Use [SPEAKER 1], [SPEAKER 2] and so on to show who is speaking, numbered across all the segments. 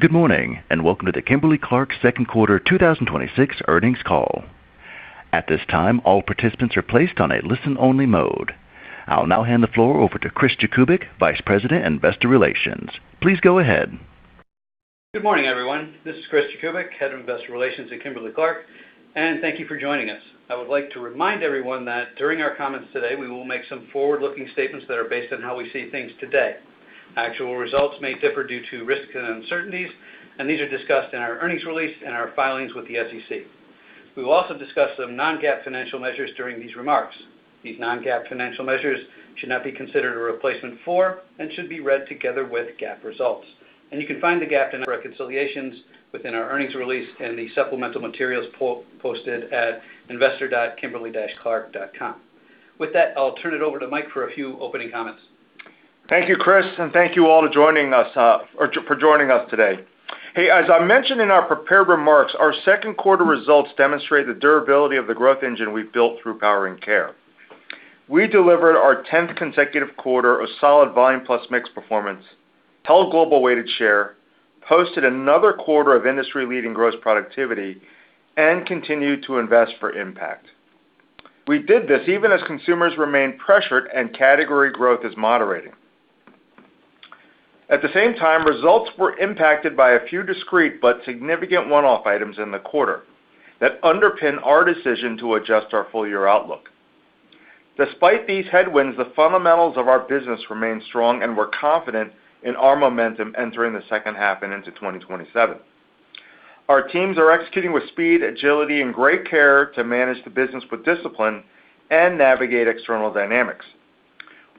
[SPEAKER 1] Good morning, welcome to the Kimberly-Clark Q2 2026 earnings call. At this time, all participants are placed on a listen-only mode. I'll now hand the floor over to Chris Jakubik, Vice President, Investor Relations. Please go ahead.
[SPEAKER 2] Good morning, everyone. This is Chris Jakubik, Head of Investor Relations at Kimberly-Clark, thank you for joining us. I would like to remind everyone that during our comments today, we will make some forward-looking statements that are based on how we see things today. Actual results may differ due to risks and uncertainties, these are discussed in our earnings release and our filings with the SEC. We will also discuss some non-GAAP financial measures during these remarks. These non-GAAP financial measures should not be considered a replacement for, and should be read together with, GAAP results. You can find the GAAP and reconciliations within our earnings release and the supplemental materials posted at investor.kimberly-clark.com. With that, I'll turn it over to Mike for a few opening comments.
[SPEAKER 3] Thank you, Chris, thank you all for joining us today. Hey, as I mentioned in our prepared remarks, our Q2 results demonstrate the durability of the growth engine we've built through Powering Care. We delivered our 10th consecutive quarter of solid volume plus mix performance, held global weighted share, posted another quarter of industry-leading gross productivity, continued to invest for impact. We did this even as consumers remain pressured and category growth is moderating. At the same time, results were impacted by a few discrete but significant one-off items in the quarter that underpin our decision to adjust our full-year outlook. Despite these headwinds, the fundamentals of our business remain strong, we're confident in our momentum entering the H2 and into 2027. Our teams are executing with speed, agility, and great care to manage the business with discipline and navigate external dynamics.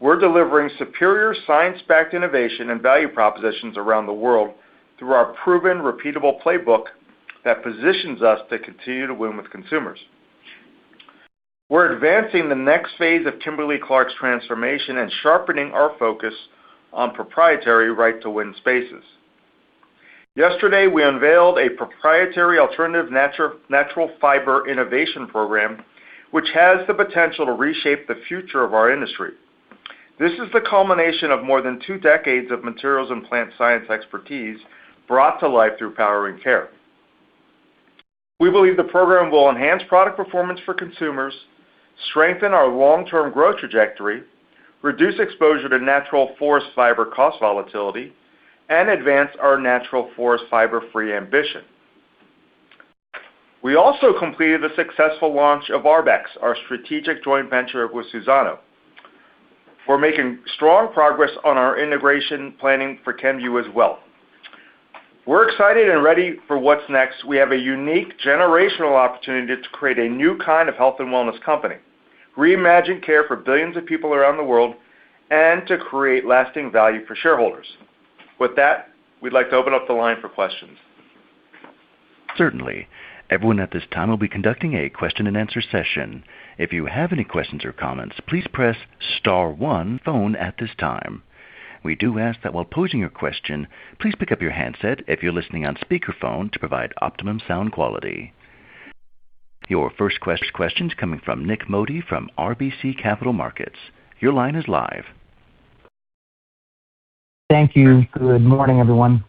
[SPEAKER 3] We're delivering superior science-backed innovation and value propositions around the world through our proven repeatable playbook that positions us to continue to win with consumers. We're advancing the next phase of Kimberly-Clark's transformation and sharpening our focus on proprietary Right to Win spaces. Yesterday, we unveiled a proprietary alternative natural fiber innovation program, which has the potential to reshape the future of our industry. This is the culmination of more than two decades of materials and plant science expertise brought to life through Powering Care. We believe the program will enhance product performance for consumers, strengthen our long-term growth trajectory, reduce exposure to natural forest fiber cost volatility, and advance our natural forest fiber free ambition. We also completed the successful launch of Arbex, our strategic joint venture with Suzano. We're making strong progress on our integration planning for Kenvue as well. We're excited and ready for what's next. We have a unique generational opportunity to create a new kind of health and wellness company, reimagine care for billions of people around the world, and to create lasting value for shareholders. With that, we'd like to open up the line for questions.
[SPEAKER 1] Certainly. Everyone at this time will be conducting a question-and-answer session. If you have any questions or comments, please press star one on your phone at this time. We do ask that while posing your question, please pick up your handset if you're listening on speakerphone to provide optimum sound quality. Your first question's coming from Nik Modi from RBC Capital Markets. Your line is live.
[SPEAKER 4] Thank you. Good morning, everyone.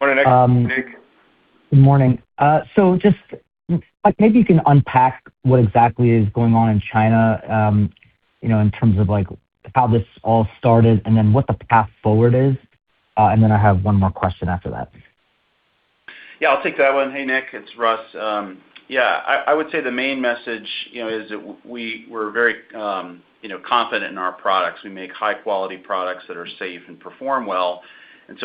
[SPEAKER 3] Morning, Nik.
[SPEAKER 4] Good morning. Just maybe you can unpack what exactly is going on in China, in terms of how this all started and then what the path forward is. I have one more question after that.
[SPEAKER 5] Yeah, I'll take that one. Hey, Nik, it's Russ. Yeah, I would say the main message is that we're very confident in our products. We make high-quality products that are safe and perform well.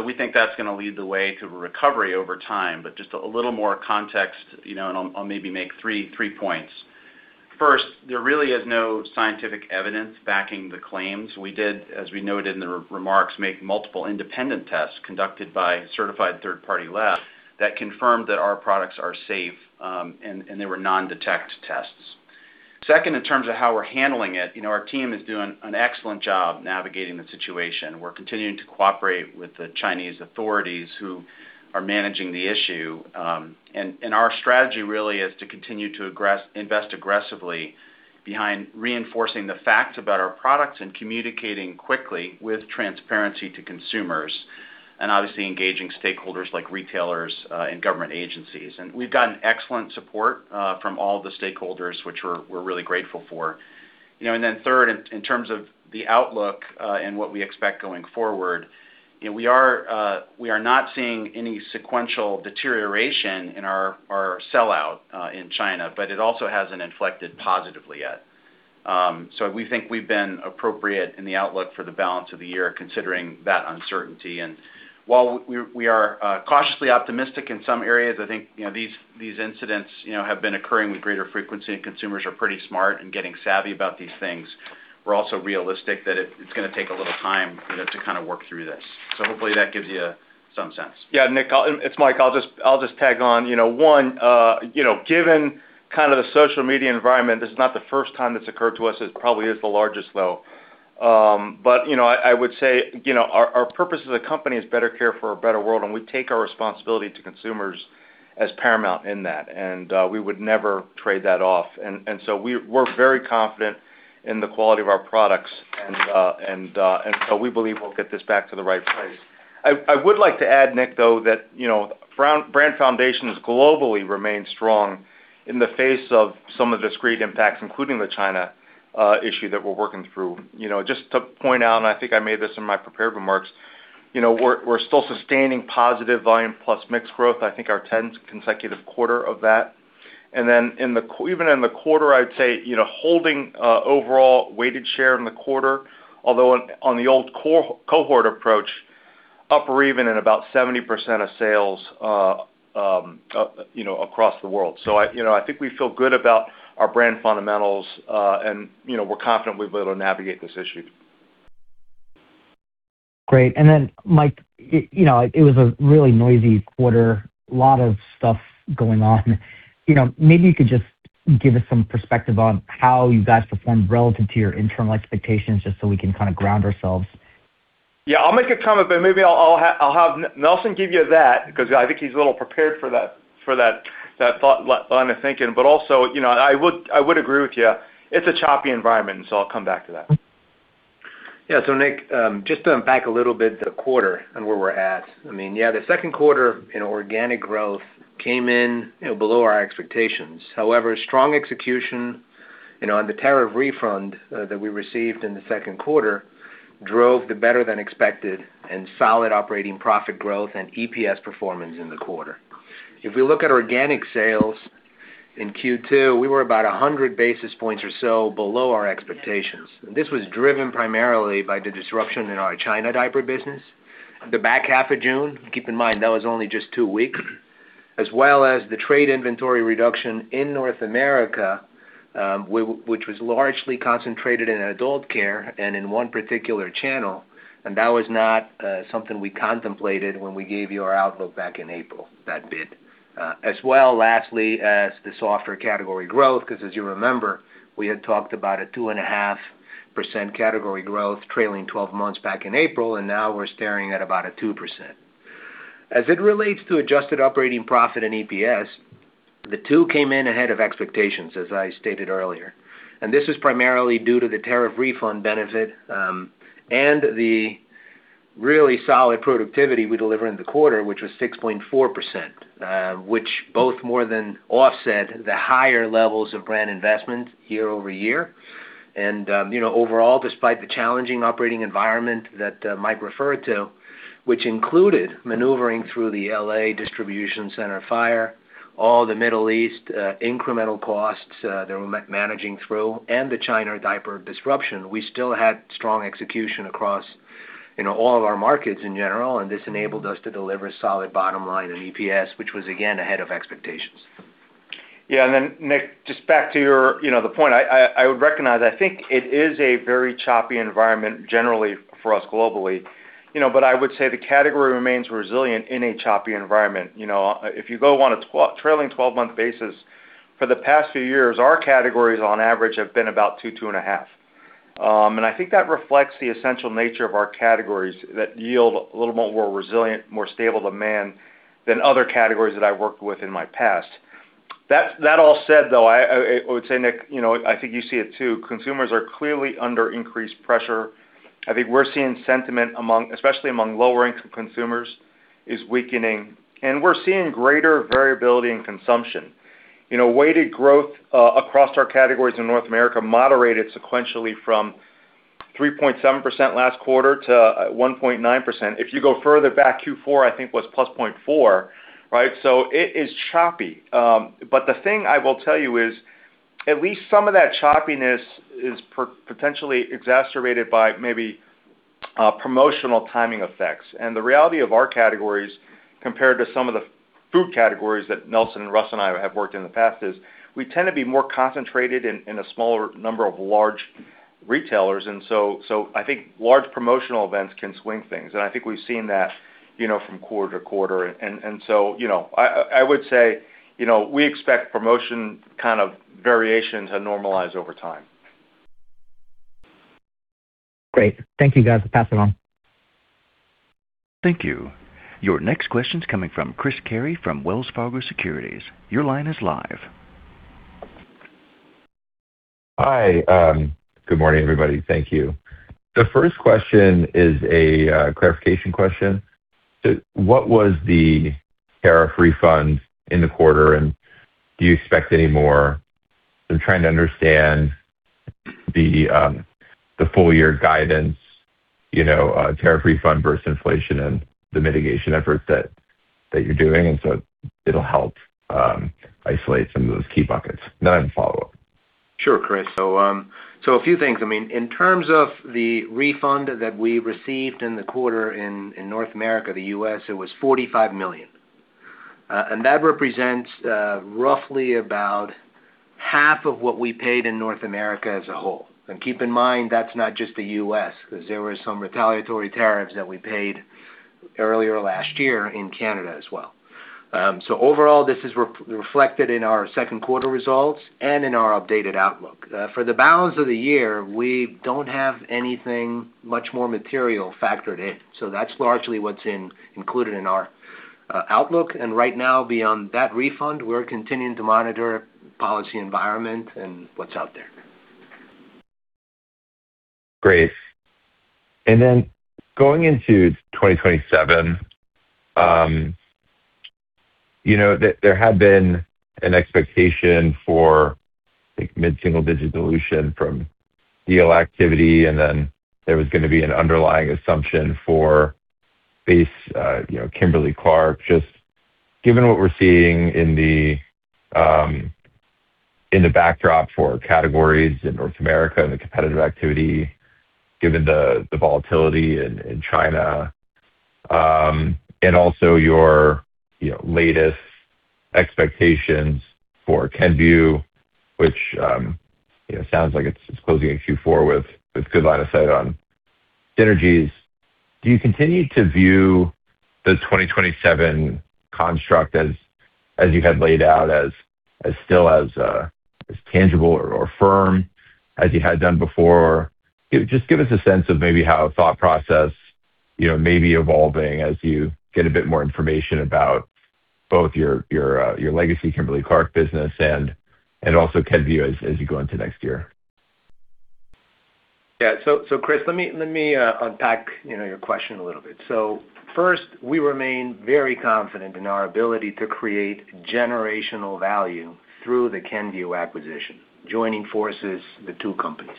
[SPEAKER 5] We think that's going to lead the way to a recovery over time. Just a little more context, and I'll maybe make three points. First, there really is no scientific evidence backing the claims. We did, as we noted in the remarks, make multiple independent tests conducted by certified third-party labs that confirmed that our products are safe, and they were non-detect tests. Second, in terms of how we're handling it, our team is doing an excellent job navigating the situation. We're continuing to cooperate with the Chinese authorities who are managing the issue. Our strategy really is to continue to invest aggressively behind reinforcing the facts about our products and communicating quickly with transparency to consumers, and obviously engaging stakeholders like retailers and government agencies. We've gotten excellent support from all the stakeholders, which we're really grateful for. Third, in terms of the outlook, and what we expect going forward, we are not seeing any sequential deterioration in our sellout in China, but it also hasn't inflected positively yet. We think we've been appropriate in the outlook for the balance of the year considering that uncertainty. While we are cautiously optimistic in some areas, I think these incidents have been occurring with greater frequency, and consumers are pretty smart and getting savvy about these things. We're also realistic that it's going to take a little time to kind of work through this. Hopefully that gives you some sense.
[SPEAKER 3] Nik, it's Mike. I'll just tag on. One, given kind of the social media environment, this is not the first time that's occurred to us. It probably is the largest, though. I would say, our purpose as a company is better care for a better world, and we take our responsibility to consumers as paramount in that, and we would never trade that off. We're very confident in the quality of our products, and so we believe we'll get this back to the right place. I would like to add, Nik, though, that brand foundations globally remain strong in the face of some of the discrete impacts, including the China issue that we're working through. Just to point out, I think I made this in my prepared remarks, we're still sustaining positive volume plus mix growth. I think our 10th consecutive quarter of that. Even in the quarter, I'd say, holding overall weighted share in the quarter, although on the old cohort approach, up or even in about 70% of sales across the world. I think we feel good about our brand fundamentals, and we're confident we'll be able to navigate this issue.
[SPEAKER 4] Great. Mike, it was a really noisy quarter, a lot of stuff going on. Maybe you could just give us some perspective on how you guys performed relative to your internal expectations, just so we can kind of ground ourselves.
[SPEAKER 3] Yeah, I'll make a comment, maybe I'll have Nelson give you that because I think he's a little prepared for that line of thinking. Also, I would agree with you. It's a choppy environment, I'll come back to that.
[SPEAKER 6] Nik, just to unpack a little bit the quarter and where we're at, the Q2 in organic growth came in below our expectations. However, strong execution on the tariff refund that we received in the Q2 drove the better-than-expected and solid operating profit growth and EPS performance in the quarter. If we look at organic sales in Q2, we were about 100 basis points or so below our expectations. This was driven primarily by the disruption in our China diaper business the back half of June. Keep in mind, that was only just two weeks, as well as the trade inventory reduction in North America, which was largely concentrated in adult care and in one particular channel, and that was not something we contemplated when we gave you our outlook back in April. As well, lastly, as the softer category growth, because as you remember, we had talked about a 2.5% category growth trailing 12 months back in April, and now we're staring at about a 2%. As it relates to adjusted operating profit and EPS, the two came in ahead of expectations, as I stated earlier. This is primarily due to the tariff refund benefit, and the really solid productivity we deliver in the quarter, which was 6.4%, which both more than offset the higher levels of brand investment year-over-year. Overall, despite the challenging operating environment that Mike referred to, which included maneuvering through the L.A. distribution center fire, all the Middle East incremental costs that we're managing through, and the China diaper disruption, we still had strong execution across all of our markets in general. This enabled us to deliver solid bottom line and EPS, which was again ahead of expectations.
[SPEAKER 3] Nik, just back to the point, I would recognize, I think it is a very choppy environment generally for us globally. I would say the category remains resilient in a choppy environment. If you go on a trailing 12-month basis, for the past few years, our categories on average have been about two and a half. I think that reflects the essential nature of our categories that yield a little more resilient, more stable demand than other categories that I worked with in my past. That all said, though, I would say, Nik, I think you see it too. Consumers are clearly under increased pressure. I think we're seeing sentiment, especially among lower-income consumers, is weakening, and we're seeing greater variability in consumption. Weighted growth, across our categories in North America, moderated sequentially from 3.7% last quarter to 1.9%. If you go further back, Q4, I think, was +0.4, right? It is choppy. The thing I will tell you is at least some of that choppiness is potentially exacerbated by maybe promotional timing effects. The reality of our categories compared to some of the food categories that Nelson and Russ and I have worked in the past is we tend to be more concentrated in a smaller number of large retailers. I think large promotional events can swing things, and I think we've seen that from quarter-to-quarter. I would say, we expect promotion variation to normalize over time.
[SPEAKER 4] Great. Thank you, guys. Pass it on.
[SPEAKER 1] Thank you. Your next question's coming from Chris Carey from Wells Fargo Securities. Your line is live.
[SPEAKER 7] Hi. Good morning, everybody. Thank you. The first question is a clarification question. What was the tariff refund in the quarter, and do you expect any more? I'm trying to understand the full-year guidance, tariff refund versus inflation and the mitigation efforts that you're doing, it'll help isolate some of those key buckets. I have a follow-up.
[SPEAKER 6] Chris. A few things. In terms of the refund that we received in the quarter in North America, the U.S., it was $45 million. That represents roughly about half of what we paid in North America as a whole. Keep in mind, that's not just the U.S. because there were some retaliatory tariffs that we paid earlier last year in Canada as well. Overall, this is reflected in our Q2 results and in our updated outlook. For the balance of the year, we don't have anything much more material factored in. That's largely what's included in our outlook. Right now, beyond that refund, we're continuing to monitor policy environment and what's out there.
[SPEAKER 7] Great. Going into 2027, there had been an expectation for mid-single digit dilution from deal activity, and then there was going to be an underlying assumption for base Kimberly-Clark. Just given what we're seeing in the backdrop for categories in North America and the competitive activity, given the volatility in China, and also your latest expectations for Kenvue, which sounds like it's closing in Q4 with good line of sight on synergies. Do you continue to view the 2027 construct as you had laid out as still as tangible or firm as you had done before? Just give us a sense of maybe how thought process may be evolving as you get a bit more information about both your legacy Kimberly-Clark business and also Kenvue as you go into next year.
[SPEAKER 6] Yeah. Chris, let me unpack your question a little bit. First, we remain very confident in our ability to create generational value through the Kenvue acquisition, joining forces the two companies.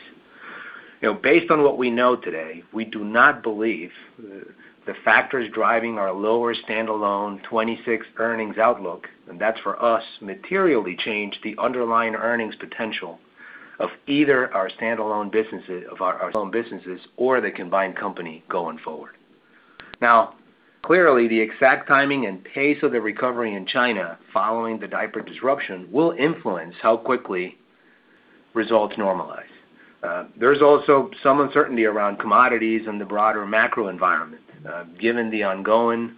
[SPEAKER 6] Based on what we know today, we do not believe the factors driving our lower standalone 2026 earnings outlook, and that's for us, materially change the underlying earnings potential of either our standalone businesses, or the combined company going forward. Clearly, the exact timing and pace of the recovery in China following the diaper disruption will influence how quickly results normalize. There's also some uncertainty around commodities and the broader macro environment, given the ongoing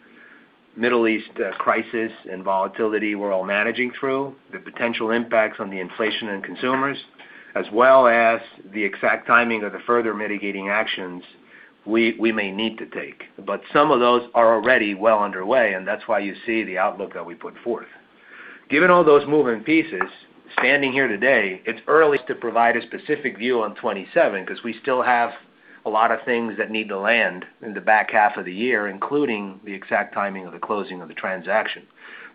[SPEAKER 6] Middle East crisis and volatility we're all managing through, the potential impacts on the inflation and consumers, as well as the exact timing of the further mitigating actions we may need to take. Some of those are already well underway, and that's why you see the outlook that we put forth. Given all those moving pieces, standing here today, it's early to provide a specific view on 2027 because we still have a lot of things that need to land in the back half of the year, including the exact timing of the closing of the transaction.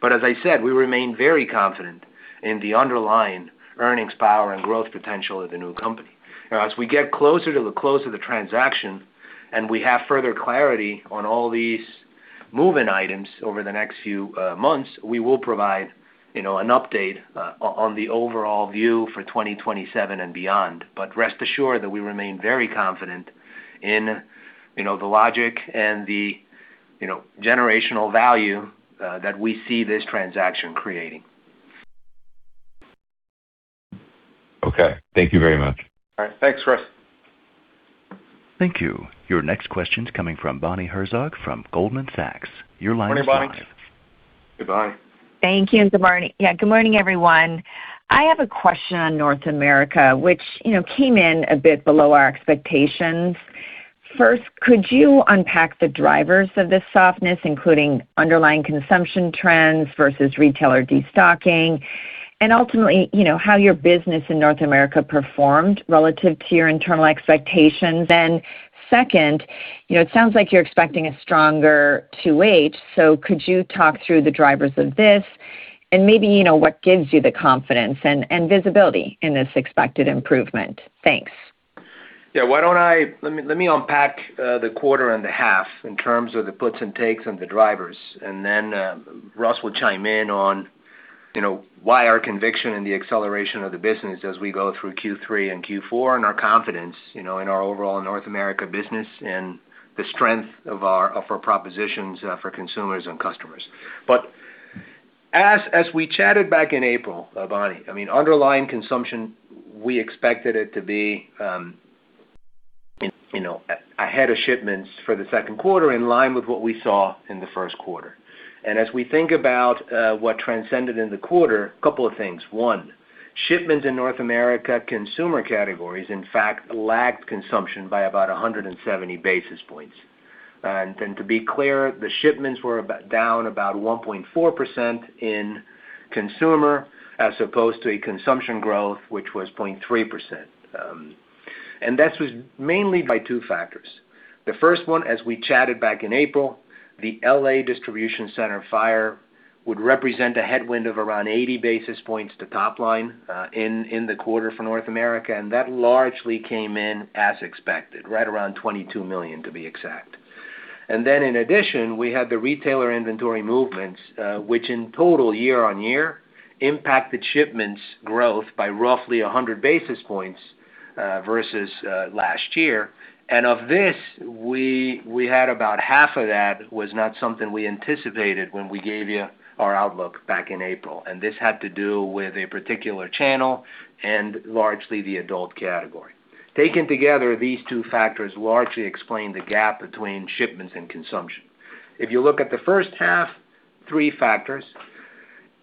[SPEAKER 6] As I said, we remain very confident in the underlying earnings power and growth potential of the new company. As we get closer to the close of the transaction and we have further clarity on all these moving items over the next few months, we will provide an update on the overall view for 2027 and beyond. Rest assured that we remain very confident in the logic and the generational value that we see this transaction creating.
[SPEAKER 7] Okay. Thank you very much.
[SPEAKER 6] All right. Thanks, Chris.
[SPEAKER 1] Thank you. Your next question's coming from Bonnie Herzog from Goldman Sachs. Your line is-
[SPEAKER 6] Morning, Bonnie.
[SPEAKER 3] Good morning.
[SPEAKER 8] Thank you. Good morning, everyone. I have a question on North America, which came in a bit below our expectations. First, could you unpack the drivers of this softness, including underlying consumption trends versus retailer destocking? Ultimately, how your business in North America performed relative to your internal expectations. Second, it sounds like you're expecting a stronger H2. Could you talk through the drivers of this and maybe what gives you the confidence and visibility in this expected improvement? Thanks.
[SPEAKER 6] Yeah. Let me unpack the quarter and the half in terms of the puts and takes on the drivers. Russ will chime in on why our conviction in the acceleration of the business as we go through Q3 and Q4 and our confidence in our overall North America business and the strength of our propositions for consumers and customers. As we chatted back in April, Bonnie, underlying consumption, we expected it to be ahead of shipments for the Q2 in line with what we saw in the Q1. As we think about what transcended in the quarter, a couple of things. One, shipments in North America consumer categories, in fact, lagged consumption by about 170 basis points. To be clear, the shipments were down about 1.4% in consumer as opposed to a consumption growth, which was 0.3%. That was mainly by two factors. The first one, as we chatted back in April, the L.A. distribution center fire would represent a headwind of around 80 basis points to top line in the quarter for North America. That largely came in as expected, right around $22 million to be exact. In addition, we had the retailer inventory movements, which in total year-on-year impacted shipments growth by roughly 100 basis points versus last year. Of this, we had about half of that was not something we anticipated when we gave you our outlook back in April. This had to do with a particular channel and largely the adult category. Taken together, these two factors largely explain the gap between shipments and consumption. If you look at the H1, three factors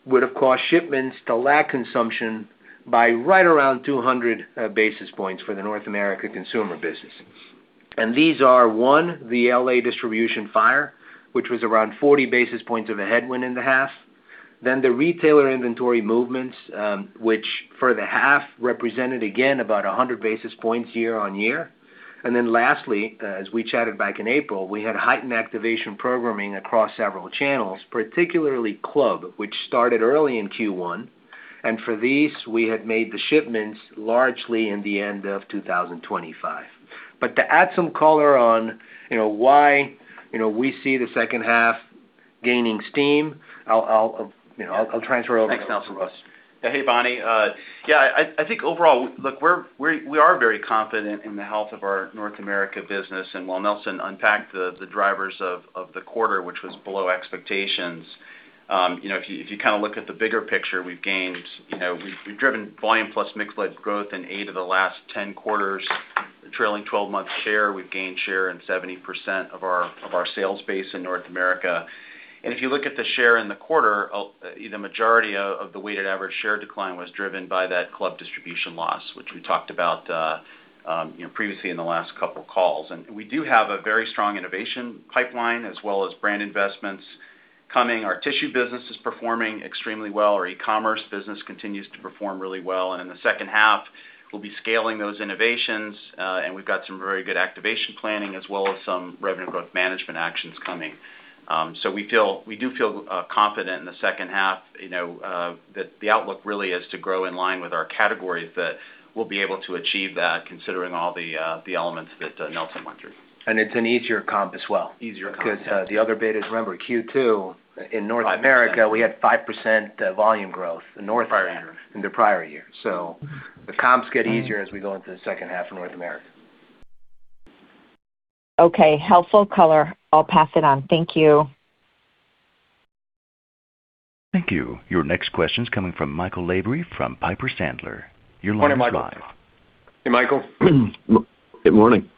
[SPEAKER 6] would have caused shipments to lag consumption by right around 200 basis points for the North America consumer business. These are one, the L.A. distribution fire, which was around 40 basis points of a headwind in the half. The retailer inventory movements, which for the half represented again about 100 basis points year-on-year. Lastly, as we chatted back in April, we had heightened activation programming across several channels, particularly club, which started early in Q1. For these, we had made the shipments largely in the end of 2025. To add some color on why we see the H2 gaining steam, I'll transfer over to Russ.
[SPEAKER 5] Thanks, Nelson. Hey, Bonnie. Yeah, I think overall, look, we are very confident in the health of our North America business. While Nelson unpacked the drivers of the quarter, which was below expectations, if you look at the bigger picture, we've driven volume plus mix-led growth in eight of the last 10 quarters, trailing 12 months share. We've gained share in 70% of our sales base in North America. If you look at the share in the quarter, the majority of the weighted average share decline was driven by that club distribution loss, which we talked about previously in the last couple of calls. We do have a very strong innovation pipeline as well as brand investments coming. Our tissue business is performing extremely well. Our e-commerce business continues to perform really well. In the H2, we'll be scaling those innovations, and we've got some very good activation planning as well as some revenue growth management actions coming. We do feel confident in the H2, that the outlook really is to grow in line with our categories, that we'll be able to achieve that considering all the elements that Nelson went through.
[SPEAKER 6] It's an easier comp as well. The other bit is, remember, Q2 in North America, we had 5% volume growth in North America prior year. The comps get easier as we go into the H2 of North America.
[SPEAKER 8] Okay, helpful color. I'll pass it on. Thank you.
[SPEAKER 1] Thank you. Your next question's coming from Michael Lavery from Piper Sandler. You're live.
[SPEAKER 5] Morning, Michael. Hey, Michael.
[SPEAKER 9] Good morning.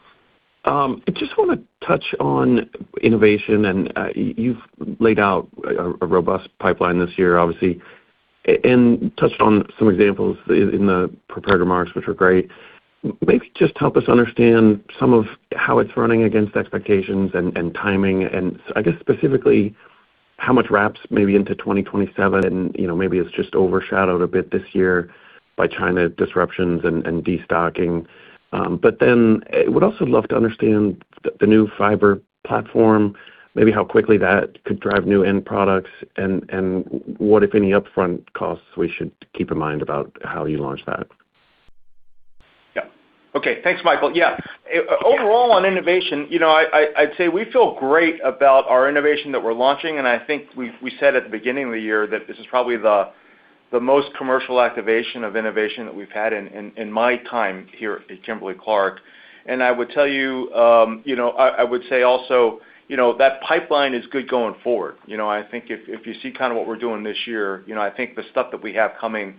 [SPEAKER 9] I just want to touch on innovation. You've laid out a robust pipeline this year, obviously, and touched on some examples in the prepared remarks, which were great. Maybe just help us understand some of how it's running against expectations and timing. I guess specifically, how much wraps maybe into 2027. Maybe it's just overshadowed a bit this year by China disruptions and de-stocking. Would also love to understand the new fiber platform, maybe how quickly that could drive new end products and what, if any, upfront costs we should keep in mind about how you launch that.
[SPEAKER 3] Yeah. Okay. Thanks, Michael. Yeah. Overall on innovation, I'd say we feel great about our innovation that we're launching. I think we said at the beginning of the year that this is probably the most commercial activation of innovation that we've had in my time here at Kimberly-Clark. I would say also, that pipeline is good going forward. I think if you see what we're doing this year, I think the stuff that we have coming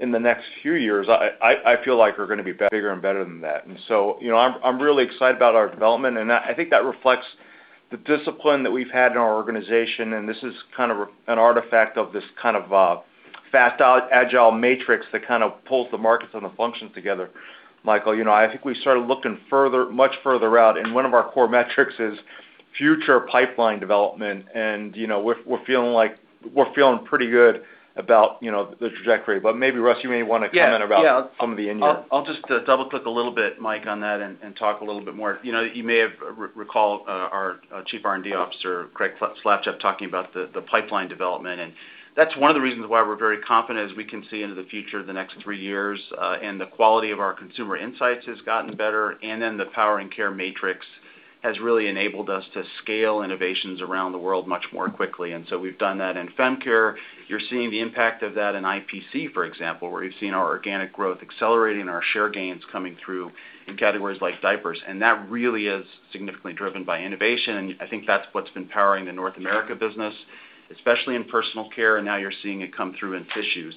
[SPEAKER 3] in the next few years, I feel like are going to be bigger and better than that. I'm really excited about our development. I think that reflects the discipline that we've had in our organization. This is an artifact of this kind of fast, agile matrix that kind of pulls the markets and the functions together, Michael. I think we started looking much further out. One of our core metrics is future pipeline development. We're feeling pretty good about the trajectory. Maybe, Russ, you may want to comment about some of the in-year.
[SPEAKER 5] I'll just double-click a little bit, Mike, on that and talk a little bit more. You may have recalled our Chief R&D Officer, Craig Slavtcheff, talking about the pipeline development. That's one of the reasons why we're very confident as we can see into the future, the next three years. The quality of our consumer insights has gotten better. The power and care matrix has really enabled us to scale innovations around the world much more quickly. We've done that in fem care. You're seeing the impact of that in IPC, for example, where you've seen our organic growth accelerating and our share gains coming through in categories like diapers. That really is significantly driven by innovation, and I think that's what's been powering the North America business, especially in personal care, and now you're seeing it come through in tissue.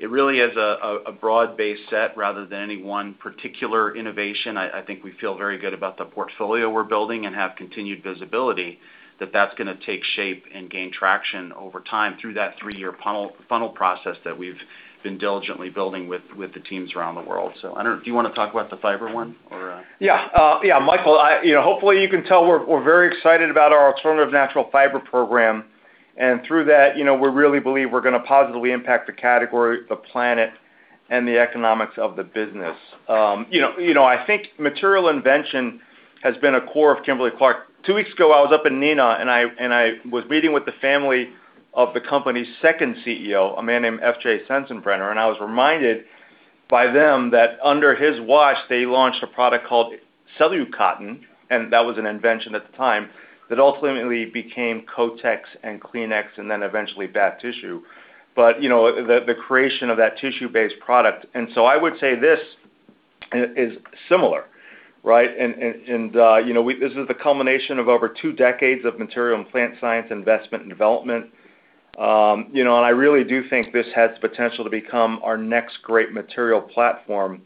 [SPEAKER 5] It really is a broad-based set rather than any one particular innovation. I think we feel very good about the portfolio we're building and have continued visibility that that's gonna take shape and gain traction over time through that three-year funnel process that we've been diligently building with the teams around the world. I don't know, do you want to talk about the fiber one or yeah?
[SPEAKER 3] Michael, hopefully you can tell we're very excited about our alternative natural fiber program. Through that, we really believe we're gonna positively impact the category, the planet, and the economics of the business. I think material invention has been a core of Kimberly-Clark. Two weeks ago, I was up in Neenah, and I was meeting with the family of the company's second CEO, a man named F.J. Sensenbrenner, and I was reminded by them that under his watch, they launched a product called CelluCotton, and that was an invention at the time that ultimately became Kotex and Kleenex, and then eventually bath tissue. The creation of that tissue-based product. I would say this is similar, right? This is the culmination of over two decades of material and plant science investment and development. I really do think this has potential to become our next great material platform.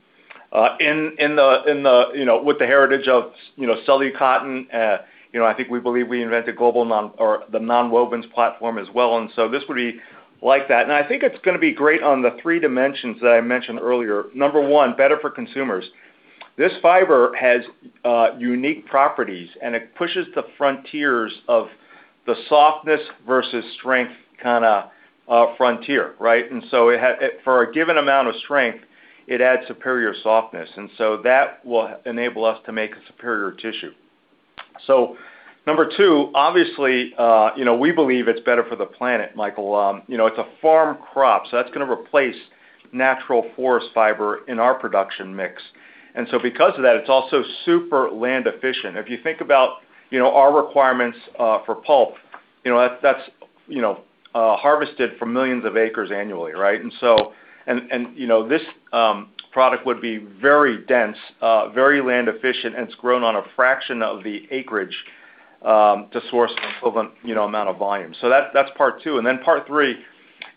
[SPEAKER 3] With the heritage of CelluCotton, I think we believe we invented the nonwovens platform as well, and so this would be like that. I think it's gonna be great on the three dimensions that I mentioned earlier. Number one, better for consumers. This fiber has unique properties, and it pushes the frontiers of the softness versus strength kind of frontier, right? For a given amount of strength, it adds superior softness. That will enable us to make a superior tissue. Number two, obviously, we believe it's better for the planet, Michael. It's a farm crop, so that's going to replace natural forest fiber in our production mix. Because of that, it's also super land efficient. If you think about our requirements for pulp, that's harvested from millions of acres annually, right? This product would be very dense, very land efficient, and it's grown on a fraction of the acreage to source an equivalent amount of volume. That's part two. Part three,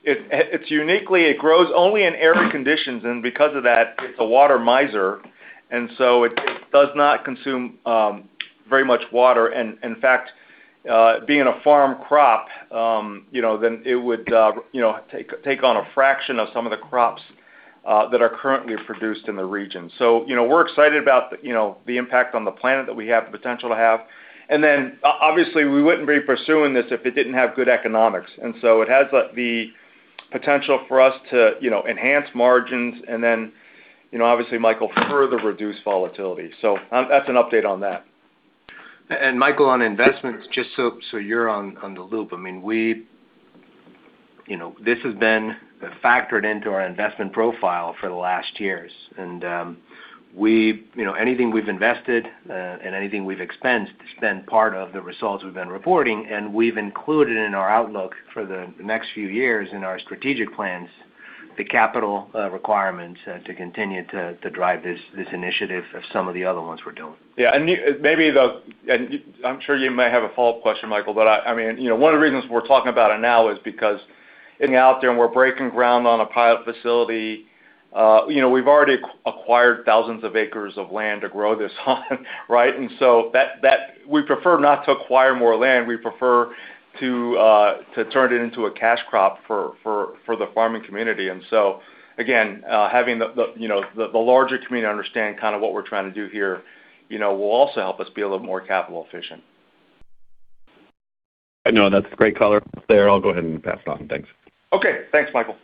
[SPEAKER 3] it's uniquely, it grows only in arid conditions, and because of that, it's a water miser, and so it does not consume very much water. In fact, being a farm crop, it would take on a fraction of some of the crops that are currently produced in the region. We're excited about the impact on the planet that we have the potential to have. Obviously we wouldn't be pursuing this if it didn't have good economics. It has the potential for us to enhance margins and then, obviously, Michael, further reduce volatility. That's an update on that.
[SPEAKER 6] Michael, on investments, just so you're on the loop. This has been factored into our investment profile for the last years, and anything we've invested and anything we've expensed has been part of the results we've been reporting, and we've included in our outlook for the next few years in our strategic plans, the capital requirements to continue to drive this initiative of some of the other ones we're doing.
[SPEAKER 3] I'm sure you may have a follow-up question, Michael, but one of the reasons we're talking about it now is because being out there and we're breaking ground on a pilot facility, we've already acquired thousands of acres of land to grow this on, right? We prefer not to acquire more land. We prefer to turn it into a cash crop for the farming community. Again, having the larger community understand kind of what we're trying to do here will also help us be a little more capital efficient.
[SPEAKER 9] That's a great color there. I'll go ahead and pass it on. Thanks.
[SPEAKER 3] Okay. Thanks, Michael.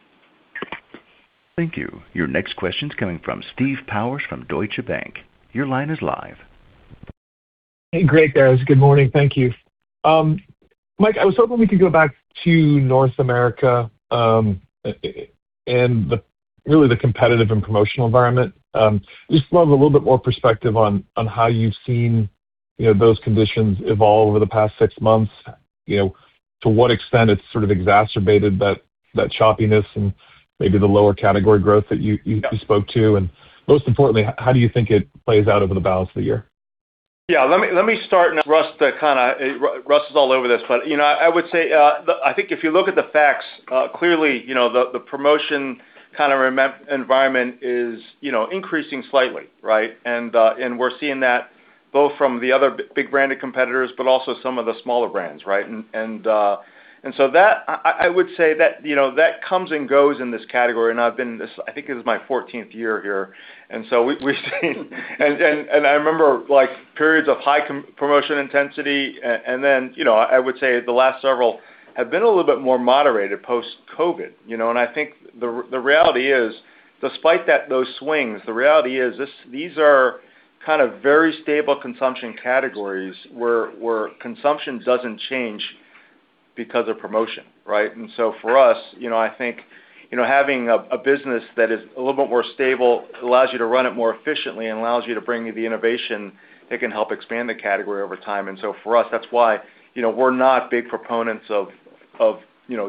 [SPEAKER 1] Thank you. Your next question's coming from Steve Powers from Deutsche Bank. Your line is live.
[SPEAKER 10] Hey, great, guys. Good morning. Thank you. Mike, I was hoping we could go back to North America. Really the competitive and promotional environment. Just love a little bit more perspective on how you've seen those conditions evolve over the past six months. To what extent it's sort of exacerbated that choppiness and maybe the lower category growth that you spoke to. Most importantly, how do you think it plays out over the balance of the year?
[SPEAKER 3] Yeah. Let me start and ask Russ. Russ is all over this. I would say, I think if you look at the facts, clearly, the promotion kind of environment is increasing slightly, right? We're seeing that both from the other big branded competitors, but also some of the smaller brands, right? That, I would say that comes and goes in this category, and I've been this, I think this is my 14th year here. We've seen and I remember periods of high promotion intensity and then, I would say the last several have been a little bit more moderated post-COVID. I think the reality is, despite those swings, the reality is these are kind of very stable consumption categories where consumption doesn't change because of promotion, right? For us, I think, having a business that is a little bit more stable allows you to run it more efficiently and allows you to bring the innovation that can help expand the category over time. For us, that's why we're not big proponents of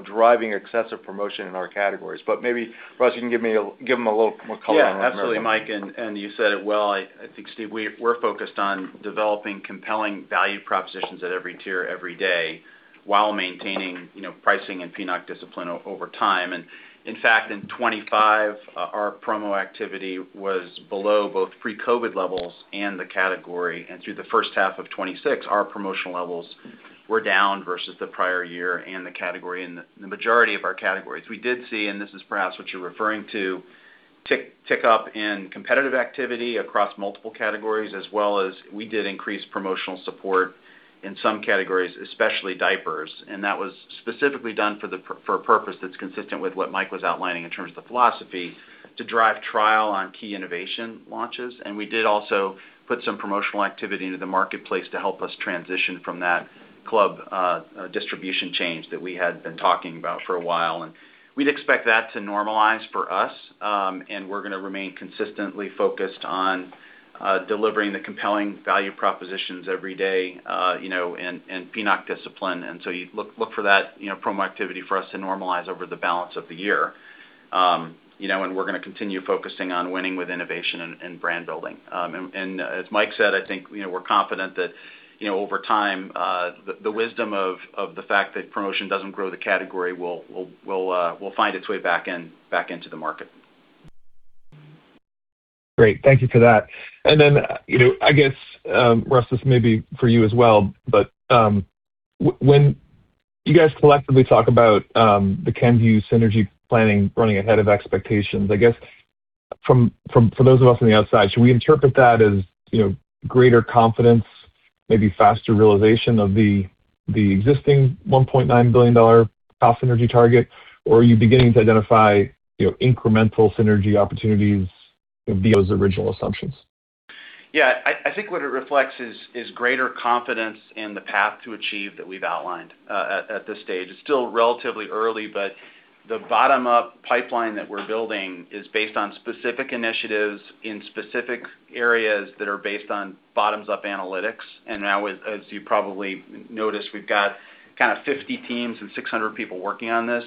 [SPEAKER 3] driving excessive promotion in our categories. Maybe, Russ, you can give him a little more color.
[SPEAKER 5] Yeah, absolutely, Mike. You said it well, I think, Steve, we're focused on developing compelling value propositions at every tier, every day while maintaining pricing and PNOC discipline over time. In fact, in 2025, our promo activity was below both pre-COVID levels and the category. Through the H1 of 2026, our promotional levels were down versus the prior year and the category in the majority of our categories. We did see, and this is perhaps what you're referring to, tick up in competitive activity across multiple categories, as well as we did increase promotional support in some categories, especially diapers. That was specifically done for a purpose that's consistent with what Mike was outlining in terms of the philosophy to drive trial on key innovation launches. We did also put some promotional activity into the marketplace to help us transition from that club distribution change that we had been talking about for a while. We'd expect that to normalize for us, and we're going to remain consistently focused on delivering the compelling value propositions every day, and PNOC discipline. You look for that promo activity for us to normalize over the balance of the year. We're going to continue focusing on winning with innovation and brand building. As Mike said, I think, we're confident that over time, the wisdom of the fact that promotion doesn't grow the category will find its way back into the market.
[SPEAKER 10] Great. Thank you for that. I guess, Russ, this may be for you as well. You guys collectively talk about the Kenvue synergy planning running ahead of expectations. I guess, for those of us on the outside, should we interpret that as greater confidence, maybe faster realization of the existing $1.9 billion cost synergy target? Or are you beginning to identify incremental synergy opportunities via those original assumptions?
[SPEAKER 5] Yeah, I think what it reflects is greater confidence in the path to achieve what we've outlined at this stage. It's still relatively early, but the bottom-up pipeline that we're building is based on specific initiatives in specific areas that are based on bottoms-up analytics. Now, as you probably noticed, we've got 50 teams and 600 people working on this.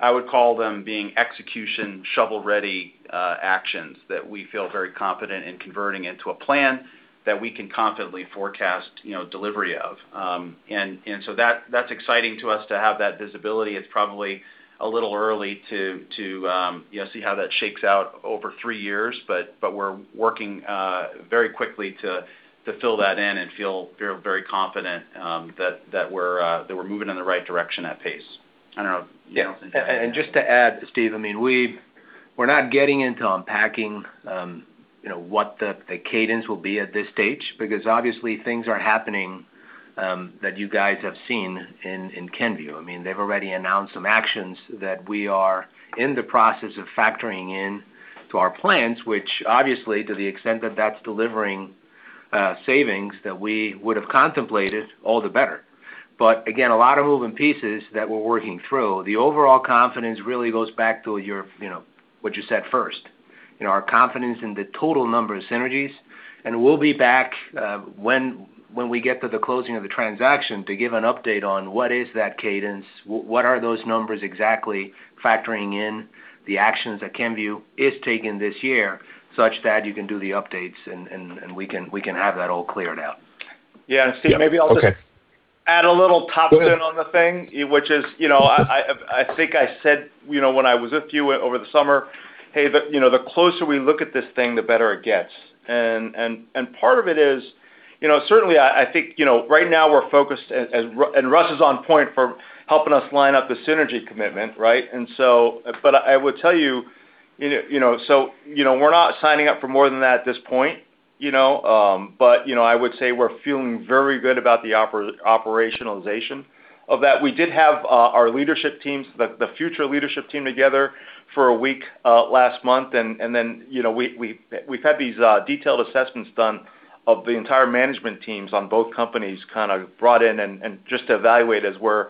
[SPEAKER 5] I would call them being execution, shovel-ready actions that we feel very confident in converting into a plan that we can confidently forecast delivery of. That's exciting to us to have that visibility. It's probably a little early to see how that shakes out over three years, but we're working very quickly to fill that in and feel very confident that we're moving in the right direction at pace. I don't know if Nelson-
[SPEAKER 6] Just to add, Steve, we're not getting into unpacking what the cadence will be at this stage, because obviously things are happening that you guys have seen in Kenvue. They've already announced some actions that we are in the process of factoring into our plans, which obviously, to the extent that that's delivering savings that we would have contemplated, all the better. Again, a lot of moving pieces that we're working through. The overall confidence really goes back to what you said first, our confidence in the total number of synergies. We'll be back when we get to the closing of the transaction to give an update on what is that cadence, what are those numbers exactly, factoring in the actions that Kenvue is taking this year, such that you can do the updates and we can have that all cleared out.
[SPEAKER 3] Yeah, Steve, maybe I'll just add a little topspin on the thing, which is, I think I said when I was with you over the summer, "Hey, the closer we look at this thing, the better it gets." Part of it is, certainly I think right now we're focused, and Russ is on point for helping us line up the synergy commitment. I would tell you, we're not signing up for more than that at this point, but I would say we're feeling very good about the operationalization of that. We did have our leadership teams, the future leadership team together for a week last month, and then we've had these detailed assessments done of the entire management teams on both companies brought in and just evaluate as we're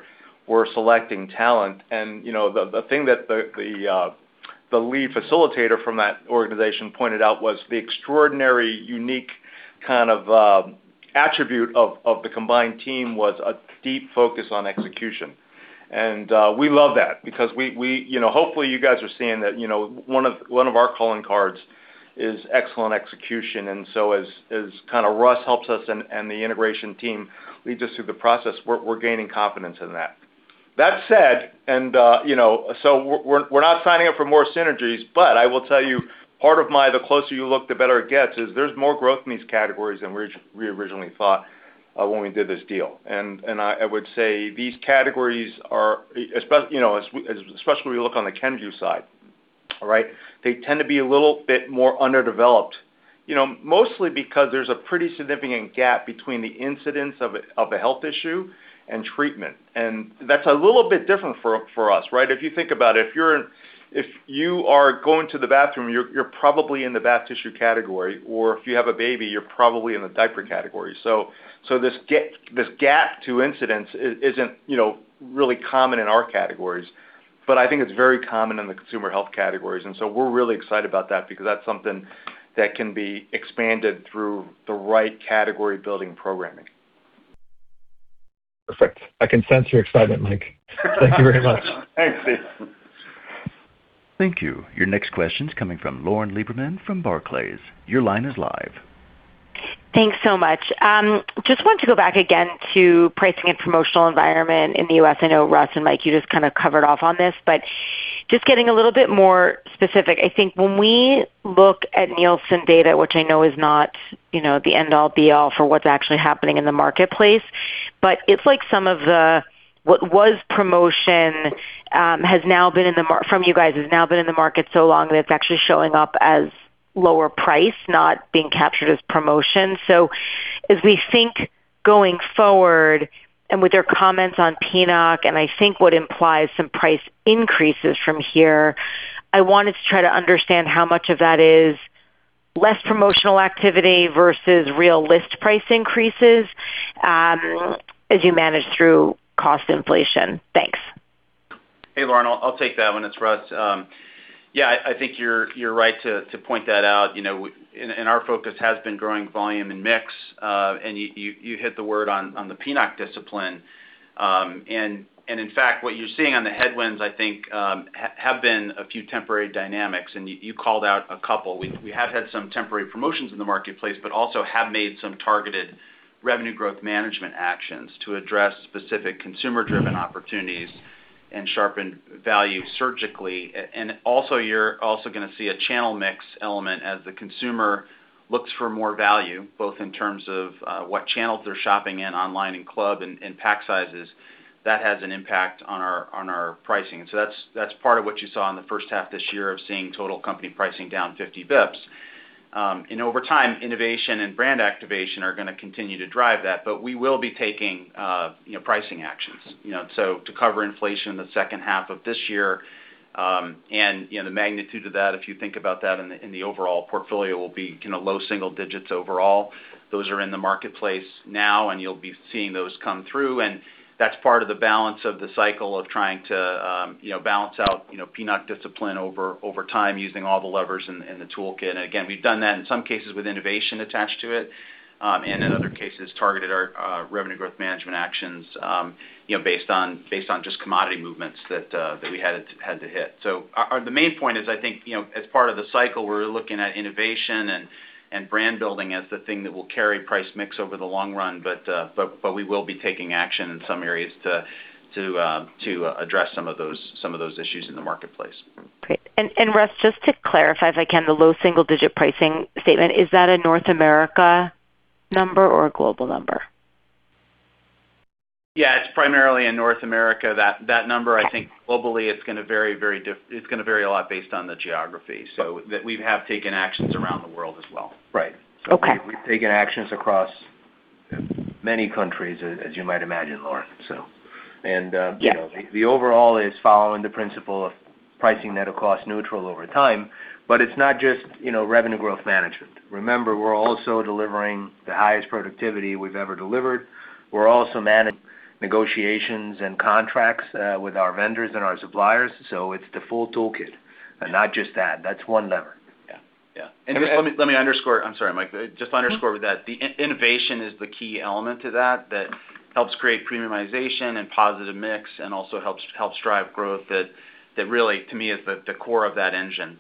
[SPEAKER 3] selecting talent. The thing that the lead facilitator from that organization pointed out was the extraordinary, unique kind of attribute of the combined team was a deep focus on execution. We love that because hopefully you guys are seeing that one of our calling cards is excellent execution, as Russ helps us and the integration team leads us through the process, we're gaining confidence in that. That said, we're not signing up for more synergies, I will tell you, part of my the closer you look, the better it gets is there's more growth in these categories than we originally thought when we did this deal. I would say these categories are, especially when you look on the Kenvue side, they tend to be a little bit more underdeveloped. Mostly because there's a pretty significant gap between the incidence of a health issue and treatment. That's a little bit different for us. If you think about it, if you are going to the bathroom, you're probably in the bath tissue category, or if you have a baby, you're probably in the diaper category. This gap to incidence isn't really common in our categories, I think it's very common in the consumer health categories, we're really excited about that because that's something that can be expanded through the right category-building programming.
[SPEAKER 10] Perfect. I can sense your excitement, Mike. Thank you very much.
[SPEAKER 3] Thanks, Steve.
[SPEAKER 1] Thank you. Your next question's coming from Lauren Lieberman from Barclays. Your line is live.
[SPEAKER 11] Thanks so much. Just wanted to go back again to pricing and promotional environment in the U.S. I know Russ and Mike, you just kind of covered off on this, but just getting a little bit more specific, I think when we look at Nielsen data, which I know is not the end all be all for what's actually happening in the marketplace, but it's like some of what was promotion from you guys has now been in the market so long that it's actually showing up as lower price, not being captured as promotion. As we think going forward, and with your comments on PNOC, and I think what implies some price increases from here, I wanted to try to understand how much of that is less promotional activity versus real list price increases as you manage through cost inflation. Thanks.
[SPEAKER 5] Hey, Lauren, I'll take that one. It's Russ. Yeah, I think you're right to point that out. Our focus has been growing volume and mix. You hit the word on the PNOC discipline. In fact, what you're seeing on the headwinds, I think, have been a few temporary dynamics, and you called out a couple. We have had some temporary promotions in the marketplace, but also have made some targeted revenue growth management actions to address specific consumer-driven opportunities and sharpen value surgically. Also, you're also going to see a channel mix element as the consumer looks for more value, both in terms of what channels they're shopping in, online and club, and pack sizes. That has an impact on our pricing. That's part of what you saw in the H1 of this year of seeing total company pricing down 50 basis points. Over time, innovation and brand activation are going to continue to drive that, but we will be taking pricing actions. To cover inflation in the H2 of this year, and the magnitude of that, if you think about that in the overall portfolio, will be low single digits overall. Those are in the marketplace now, and you'll be seeing those come through. That's part of the balance of the cycle of trying to balance out PNOC discipline over time using all the levers in the toolkit. Again, we've done that in some cases with innovation attached to it, and in other cases, targeted our revenue growth management actions based on just commodity movements that we had to hit. The main point is, I think, as part of the cycle, we're looking at innovation and brand building as the thing that will carry price mix over the long run. We will be taking action in some areas to address some of those issues in the marketplace.
[SPEAKER 11] Great. Russ, just to clarify, if I can, the low single-digit pricing statement, is that a North America number or a global number?
[SPEAKER 5] Yeah, it's primarily in North America. That number, I think globally, it's going to vary a lot based on the geography. We have taken actions around the world as well. Right.
[SPEAKER 11] Okay.
[SPEAKER 3] We've taken actions across many countries, as you might imagine, Lauren. The overall is following the principle of pricing that is cost-neutral over time, it's not just revenue growth management. Remember, we're also delivering the highest productivity we've ever delivered. We're also managing negotiations and contracts with our vendors and our suppliers, it's the full toolkit and not just that. That's one lever.
[SPEAKER 5] Yeah. I'm sorry, Mike. Just to underscore with that, the innovation is the key element to that helps create premiumization and positive mix and also helps drive growth. That really, to me, is the core of that engine.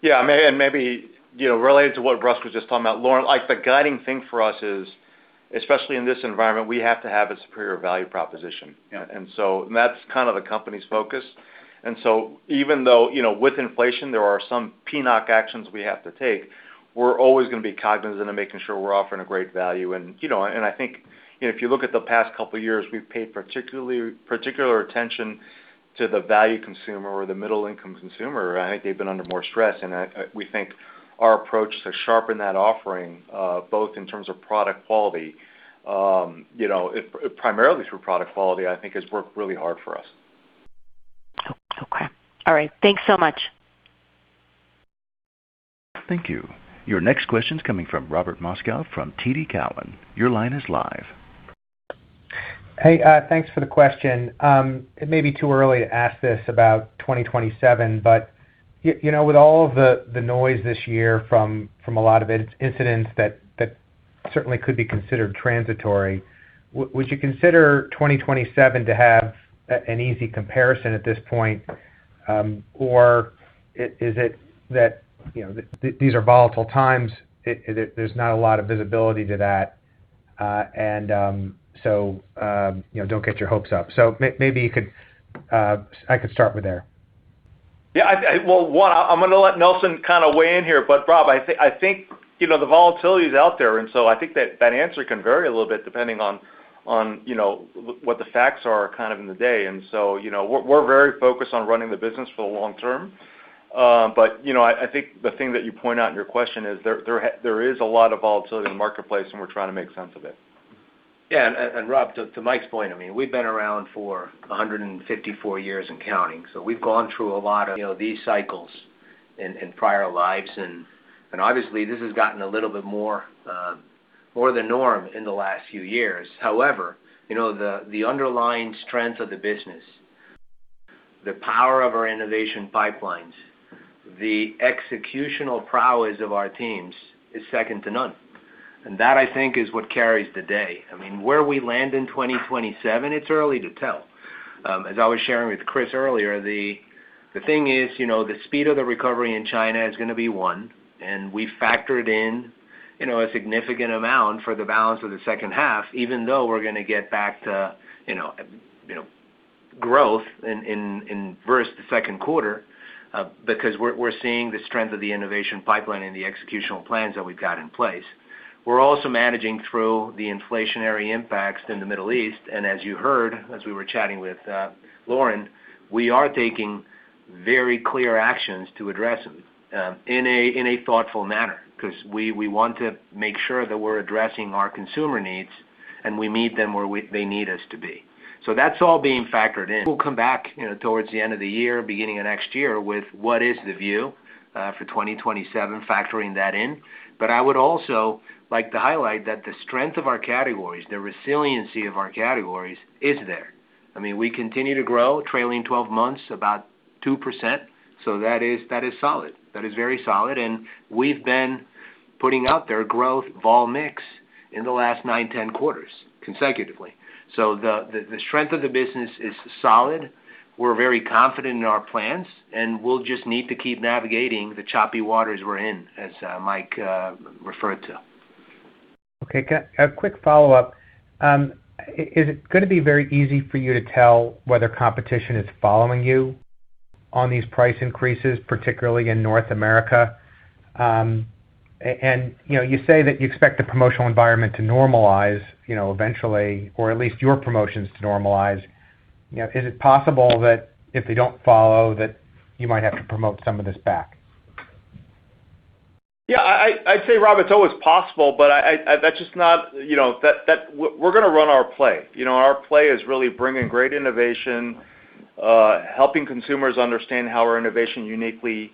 [SPEAKER 3] Yeah. Maybe related to what Russ was just talking about, Lauren, the guiding thing for us is, especially in this environment, we have to have a superior value proposition. That's kind of the company's focus. Even though with inflation, there are some PNOC actions we have to take, we're always going to be cognizant of making sure we're offering a great value. I think if you look at the past couple of years, we've paid particular attention to the value consumer or the middle-income consumer. I think they've been under more stress, and we think our approach to sharpen that offering, both in terms of product quality, primarily through product quality, I think has worked really hard for us.
[SPEAKER 11] Okay. All right. Thanks so much.
[SPEAKER 1] Thank you. Your next question's coming from Robert Moskow from TD Cowen. Your line is live.
[SPEAKER 12] Hey, thanks for the question. It may be too early to ask this about 2027, with all of the noise this year from a lot of incidents that certainly could be considered transitory, would you consider 2027 to have an easy comparison at this point? Or is it that these are volatile times, there's not a lot of visibility to that, and so don't get your hopes up? Maybe I could start with there.
[SPEAKER 3] Yeah. Well, one, I'm going to let Nelson kind of weigh in here, Rob, I think, the volatility is out there, I think that that answer can vary a little bit depending on what the facts are kind of in the day. We're very focused on running the business for the long term. I think the thing that you point out in your question is there is a lot of volatility in the marketplace, and we're trying to make sense of it.
[SPEAKER 6] Yeah. Rob, to Mike's point, I mean, we've been around for 154 years and counting. We've gone through a lot of these cycles in prior lives, and obviously, this has gotten a little bit more the norm in the last few years. However, the underlying strength of the business, the power of our innovation pipelines, the executional prowess of our teams is second to none. That, I think, is what carries the day. I mean, where we land in 2027, it's early to tell. As I was sharing with Chris earlier, the thing is, the speed of the recovery in China is going to be one. We factored in a significant amount for the balance of the H2, even though we're going to get back to growth versus the Q2 because we're seeing the strength of the innovation pipeline and the executional plans that we've got in place. We're also managing through the inflationary impacts in the Middle East. As you heard, as we were chatting with Lauren, we are taking very clear actions to address them in a thoughtful manner because we want to make sure that we're addressing our consumer needs, and we meet them where they need us to be. That's all being factored in. We'll come back towards the end of the year, beginning of next year, with what is the view for 2027, factoring that in. I would also like to highlight that the strength of our categories, the resiliency of our categories, is there. I mean, we continue to grow trailing 12 months about 2%. That is solid. That is very solid. We've been putting out their growth vol mix in the last nine, 10 quarters consecutively. The strength of the business is solid. We're very confident in our plans, and we'll just need to keep navigating the choppy waters we're in, as Mike referred to.
[SPEAKER 12] A quick follow-up. Is it going to be very easy for you to tell whether competition is following you on these price increases, particularly in North America? You say that you expect the promotional environment to normalize eventually, or at least your promotions to normalize. Is it possible that if they don't follow, that you might have to promote some of this back?
[SPEAKER 3] I'd say, Rob, it's always possible. We're going to run our play. Our play is really bringing great innovation, helping consumers understand how our innovation uniquely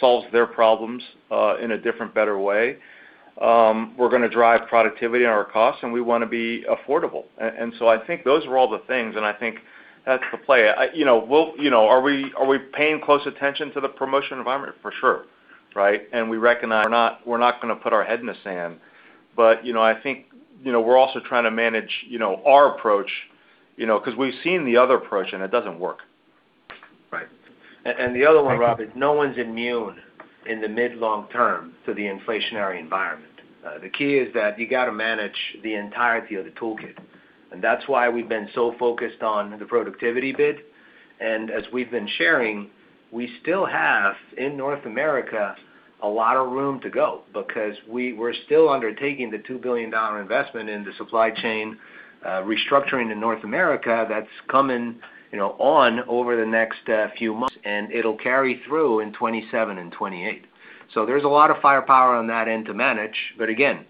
[SPEAKER 3] solves their problems in a different, better way. We're going to drive productivity in our costs. We want to be affordable. I think those are all the things, and I think that's the play. Are we paying close attention to the promotion environment? For sure, right? We recognize we're not going to put our head in the sand, but I think we're also trying to manage our approach, because we've seen the other approach and it doesn't work.
[SPEAKER 12] Right.
[SPEAKER 6] The other one, Rob, is no one's immune in the mid-long term to the inflationary environment. The key is that you got to manage the entirety of the toolkit, that's why we've been so focused on the productivity bid. As we've been sharing, we still have, in North America, a lot of room to go because we're still undertaking the $2 billion investment in the supply chain restructuring in North America that's coming on over the next few months, it'll carry through in 2027 and 2028. There's a lot of firepower on that end to manage, again,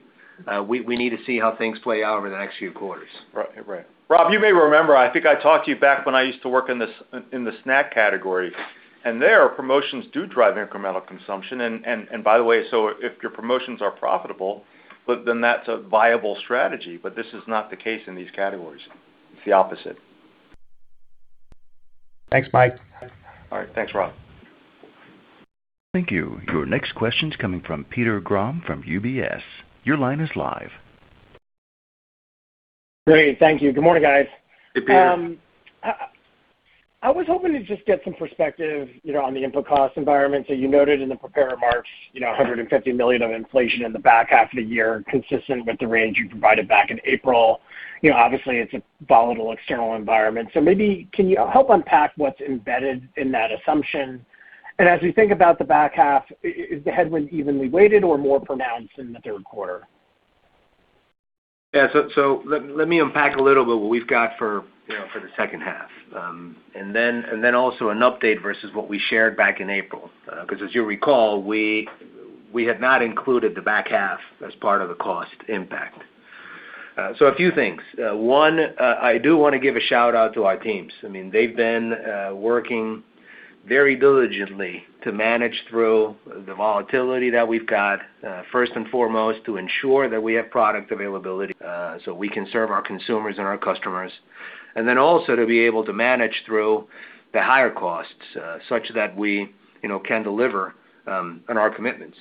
[SPEAKER 6] we need to see how things play out over the next few quarters.
[SPEAKER 3] Right. Rob, you may remember, I think I talked to you back when I used to work in the snack category, there, promotions do drive incremental consumption. By the way, if your promotions are profitable, that's a viable strategy. This is not the case in these categories. It's the opposite.
[SPEAKER 12] Thanks, Mike.
[SPEAKER 3] All right. Thanks, Rob.
[SPEAKER 1] Thank you. Your next question is coming from Peter Grom from UBS. Your line is live.
[SPEAKER 13] Great. Thank you. Good morning, guys.
[SPEAKER 3] Hey, Peter.
[SPEAKER 13] I was hoping to just get some perspective on the input cost environment. You noted in the prepared remarks, $150 million of inflation in the back half of the year, consistent with the range you provided back in April. It's a volatile external environment, so maybe can you help unpack what's embedded in that assumption? As we think about the back half, is the headwind evenly weighted or more pronounced in the Q3?
[SPEAKER 6] Yeah. Let me unpack a little bit what we've got for the H2, also an update versus what we shared back in April. As you recall, we had not included the back half as part of the cost impact. A few things. One, I do want to give a shout-out to our teams. They've been working very diligently to manage through the volatility that we've got, first and foremost, to ensure that we have product availability so we can serve our consumers and our customers, then also to be able to manage through the higher costs such that we can deliver on our commitments.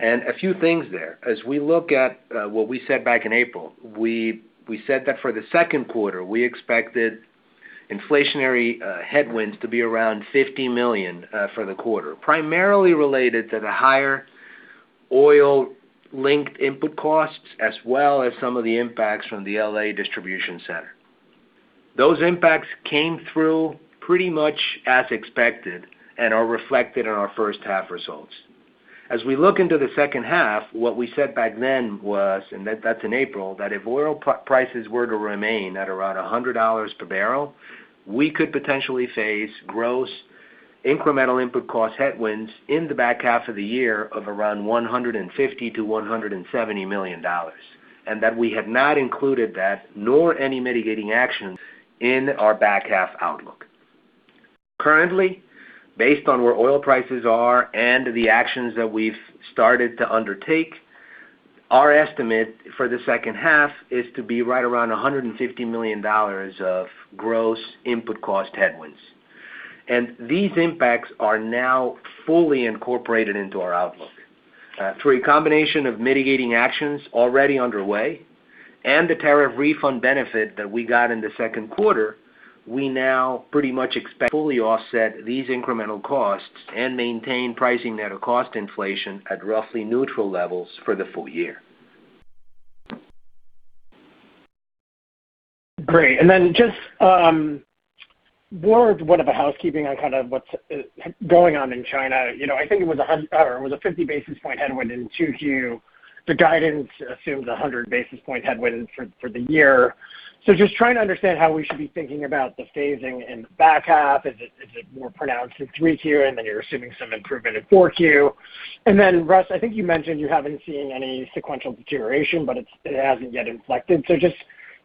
[SPEAKER 6] A few things there. As we look at what we said back in April, we said that for the Q2, we expected inflationary headwinds to be around $50 million for the quarter, primarily related to the higher oil-linked input costs, as well as some of the impacts from the L.A. distribution center. Those impacts came through pretty much as expected and are reflected in our H1 results. As we look into the H2, what we said back then was, and that's in April, that if oil prices were to remain at around $100 per barrel, we could potentially face gross incremental input cost headwinds in the back half of the year of around $150 to $170 million, that we had not included that nor any mitigating actions in our back half outlook. Currently, based on where oil prices are and the actions that we've started to undertake, our estimate for the H2 is to be right around $150 million of gross input cost headwinds. These impacts are now fully incorporated into our outlook. Through a combination of mitigating actions already underway and the tariff refund benefit that we got in the Q2, we now pretty much expect to fully offset these incremental costs and maintain pricing that are cost inflation at roughly neutral levels for the full-year.
[SPEAKER 13] Great. Just more of a housekeeping on what's going on in China. I think it was a 50 basis point headwind in Q2. The guidance assumes 100 basis point headwind for the year. Just trying to understand how we should be thinking about the phasing in the back half. Is it more pronounced in Q3 then you're assuming some improvement in Q4? Russ, I think you mentioned you haven't seen any sequential deterioration, but it hasn't yet inflected. Just